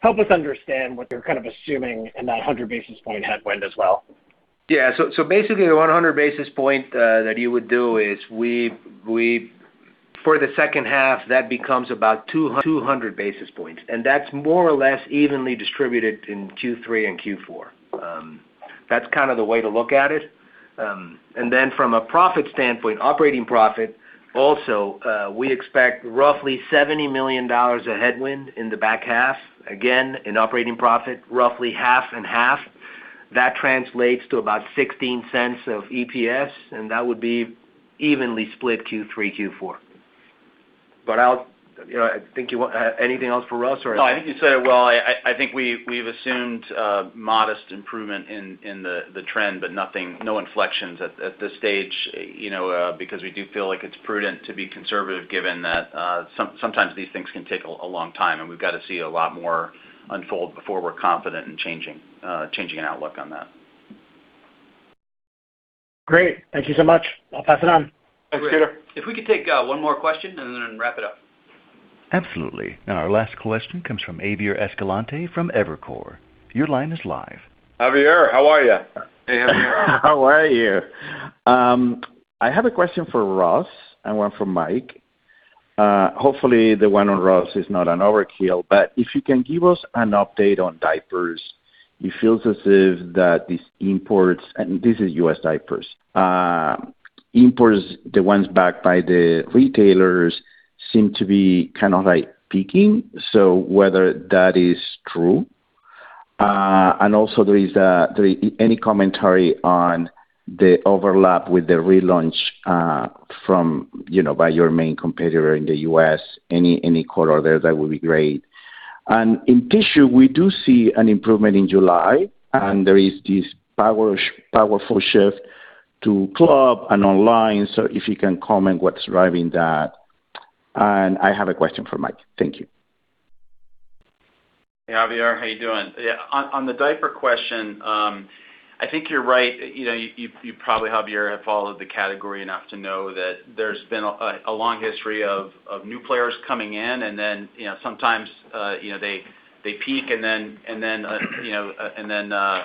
[SPEAKER 13] help us understand what you're assuming in that 100 basis point headwind as well.
[SPEAKER 6] Yeah. Basically, the 100 basis point that you would do is for the H2, that becomes about 200 basis points, and that's more or less evenly distributed in Q3 and Q4. That's kind of the way to look at it. From a profit standpoint, operating profit also, we expect roughly $70 million of headwind in the back half. Again, in operating profit, roughly half and half. That translates to about $0.16 of EPS, and that would be evenly split Q3, Q4. Anything else for us, or-
[SPEAKER 5] No, I think you said it well. I think we've assumed modest improvement in the trend, but no inflections at this stage, because we do feel like it's prudent to be conservative, given that sometimes these things can take a long time, and we've got to see a lot more unfold before we're confident in changing our outlook on that.
[SPEAKER 13] Great. Thank you so much. I'll pass it on.
[SPEAKER 2] Thanks, Peter. If we could take one more question and then wrap it up.
[SPEAKER 1] Absolutely. Our last question comes from Javier Escalante from Evercore. Your line is live.
[SPEAKER 3] Javier, how are you?
[SPEAKER 14] How are you? I have a question for Russ and one for Mike. Hopefully, the one on Russ is not an overkill, but if you can give us an update on diapers. It feels as if these imports, and this is U.S. diapers. Imports, the ones backed by the retailers, seem to be kind of peaking. Whether that is true. Also, any commentary on the overlap with the relaunch by your main competitor in the U.S., any color there, that would be great. In tissue, we do see an improvement in July, and there is this powerful shift to club and online. If you can comment what's driving that. I have a question for Mike. Thank you.
[SPEAKER 5] Hey, Javier. How are you doing? On the diaper question, I think you're right. You probably, Javier, have followed the category enough to know that there's been a long history of new players coming in, and then sometimes, they peak and then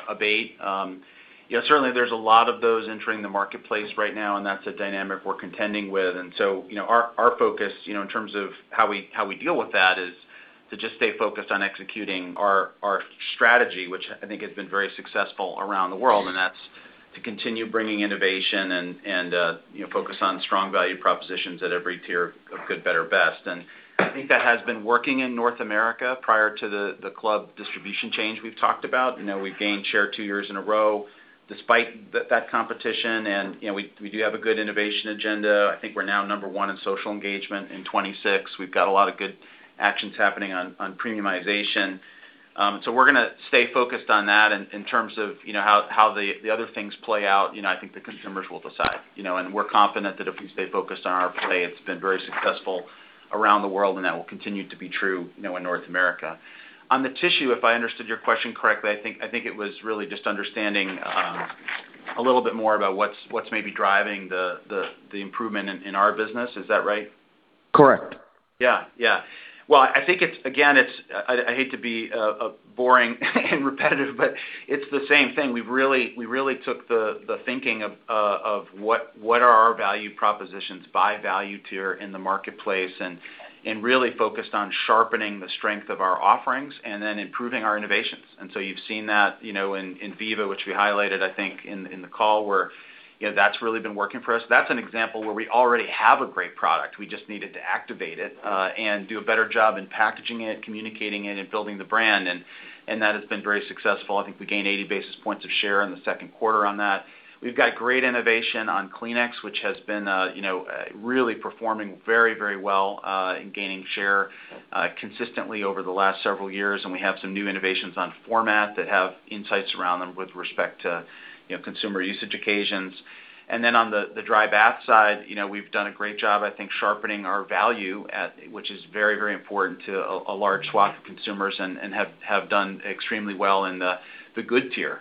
[SPEAKER 5] abate. Certainly, there's a lot of those entering the marketplace right now, and that's a dynamic we're contending with. Our focus, in terms of how we deal with that, is to just stay focused on executing our strategy, which I think has been very successful around the world, and that's to continue bringing innovation and focus on strong value propositions at every tier of good, better, best. I think that has been working in North America prior to the club distribution change we've talked about. We've gained share two years in a row despite that competition, and we do have a good innovation agenda. I think we're now number one in social engagement in 26. We've got a lot of good actions happening on premiumization. We're gonna stay focused on that. In terms of how the other things play out, I think the consumers will decide. We're confident that if we stay focused on our play, it's been very successful around the world, and that will continue to be true in North America. On the tissue, if I understood your question correctly, I think it was really just understanding a little bit more about what's maybe driving the improvement in our business. Is that right?
[SPEAKER 14] Correct.
[SPEAKER 5] Yeah. Well, I think, again, I hate to be boring and repetitive, but it's the same thing. We really took the thinking of what are our value propositions by value tier in the marketplace and really focused on sharpening the strength of our offerings and then improving our innovations. You've seen that in Viva, which we highlighted, I think, in the call, where that's really been working for us. That's an example where we already have a great product. We just needed to activate it, and do a better job in packaging it, communicating it, and building the brand. That has been very successful. I think we gained 80 basis points of share in the Q2 on that. We've got great innovation on Kleenex, which has been really performing very well in gaining share consistently over the last several years. We have some new innovations on format that have insights around them with respect to consumer usage occasions. On the dry bath side, we've done a great job, I think sharpening our value, which is very important to a large swath of consumers, and have done extremely well in the good tier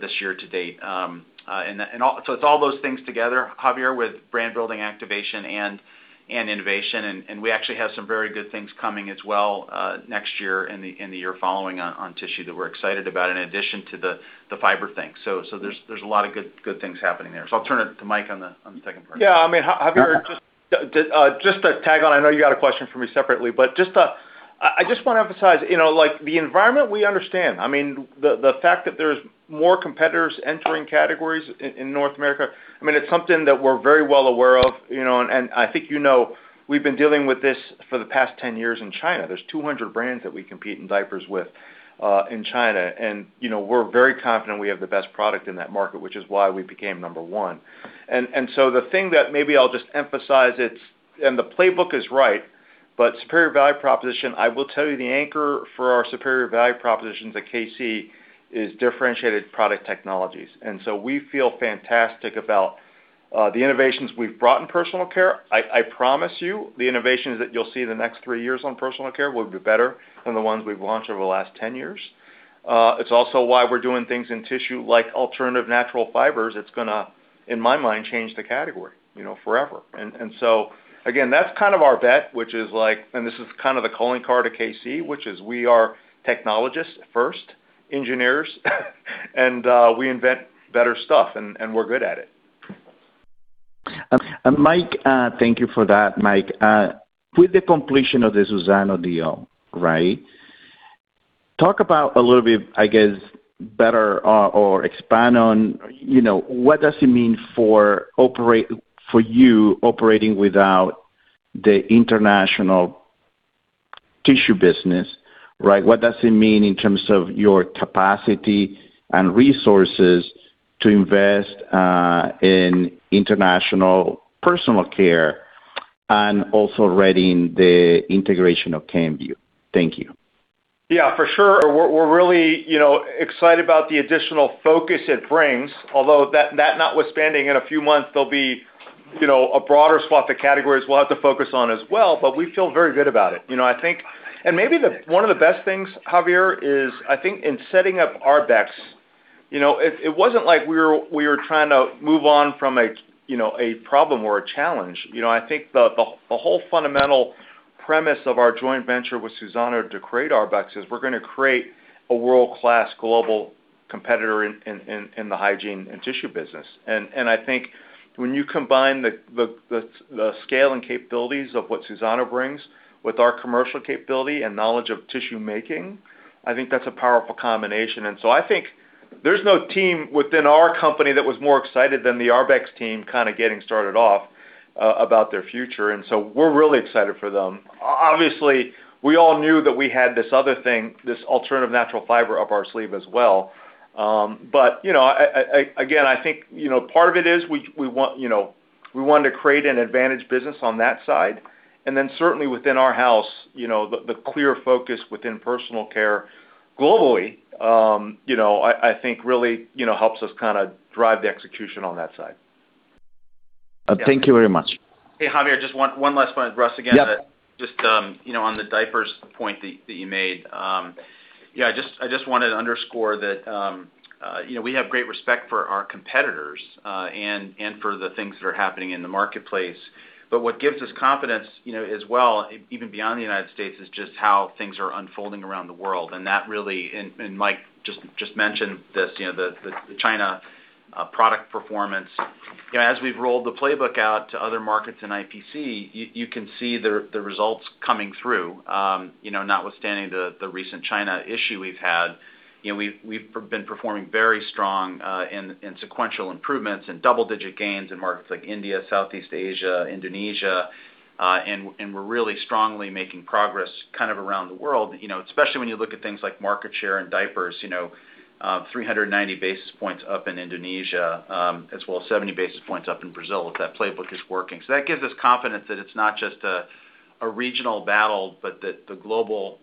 [SPEAKER 5] this year to date. It's all those things together, Javier, with brand building activation and innovation. We actually have some very good things coming as well next year and the year following on tissue that we're excited about in addition to the fiber thing. There's a lot of good things happening there. I'll turn it to Mike on the second part.
[SPEAKER 3] Yeah, Javier, just to tag on, I know you got a question for me separately, but I just want to emphasize, the environment we understand. The fact that there's more competitors entering categories in North America, it's something that we're very well aware of. I think you know we've been dealing with this for the past 10 years in China. There's 200 brands that we compete in diapers with in China, and we're very confident we have the best product in that market, which is why we became number one. The thing that maybe I'll just emphasize it, and the playbook is right, but superior value proposition, I will tell you the anchor for our superior value propositions at Kimberly-Clark is differentiated product technologies. We feel fantastic about the innovations we've brought in personal care. I promise you, the innovations that you'll see in the next three years on personal care will be better than the ones we've launched over the last 10 years. It's also why we're doing things in tissue like alternative natural fibers. It's gonna, in my mind, change the category forever. Again, that's kind of our bet, and this is kind of the calling card of Kimberly-Clark, which is we are technologists first, engineers, and we invent better stuff, and we're good at it.
[SPEAKER 14] Mike, thank you for that, Mike. With the completion of the Suzano deal, talk about a little bit, I guess, better or expand on what does it mean for you operating without the international Tissue business, right? What does it mean in terms of your capacity and resources to invest in international personal care and also readying the integration of Kenvue? Thank you.
[SPEAKER 3] Yeah, for sure. We're really excited about the additional focus it brings. Although, that notwithstanding, in a few months, there'll be a broader swath of categories we'll have to focus on as well, but we feel very good about it. Maybe one of the best things, Javier, is I think in setting up Arbex, it wasn't like we were trying to move on from a problem or a challenge. I think the whole fundamental premise of our joint venture with Suzano to create Arbex is we're going to create a world-class global competitor in the hygiene and tissue business. I think when you combine the scale and capabilities of what Suzano brings with our commercial capability and knowledge of tissue making, I think that's a powerful combination. I think there's no team within our company that was more excited than the Arbex team kind of getting started off, about their future. We're really excited for them. Obviously, we all knew that we had this other thing, this alternative natural fiber up our sleeve as well. Again, I think, part of it is we want to create an advantage business on that side. Certainly within our house, the clear focus within personal care globally, I think really helps us kind of drive the execution on that side.
[SPEAKER 14] Thank you very much.
[SPEAKER 5] Hey, Javier, just one last point. Russ again.
[SPEAKER 14] Yep.
[SPEAKER 5] On the diapers point that you made. I just wanted to underscore that we have great respect for our competitors, and for the things that are happening in the marketplace. What gives us confidence as well, even beyond the United States, is just how things are unfolding around the world, and Mike just mentioned this, the China product performance. As we've rolled the playbook out to other markets in IPC, you can see the results coming through. Notwithstanding the recent China issue we've had, we've been performing very strong in sequential improvements and double-digit gains in markets like India, Southeast Asia, Indonesia. We're really strongly making progress kind of around the world, especially when you look at things like market share and diapers, 390 basis points up in Indonesia, as well as 70 basis points up in Brazil. That playbook is working. That gives us confidence that it's not just a regional battle, but that the global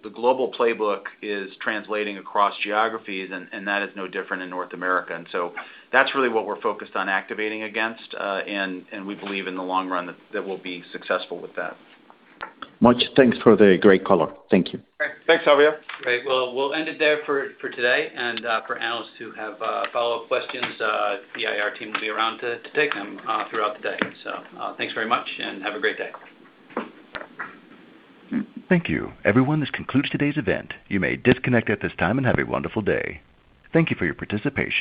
[SPEAKER 5] playbook is translating across geographies, and that is no different in North America. That's really what we're focused on activating against. We believe in the long run that we'll be successful with that.
[SPEAKER 14] Much thanks for the great color. Thank you.
[SPEAKER 2] Great. Thanks, Javier. Great. Well, we'll end it there for today. For analysts who have follow-up questions, the IR team will be around to take them throughout the day. Thanks very much and have a great day.
[SPEAKER 1] Thank you, everyone. This concludes today's event. You may disconnect at this time and have a wonderful day. Thank you for your participation.